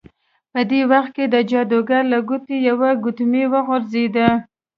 په دې وخت کې د جادوګر له ګوتې یوه ګوتمۍ وغورځیده.